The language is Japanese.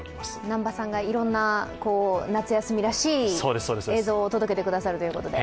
南波さんがいろんな夏休みらしい映像を届けてくれるということで。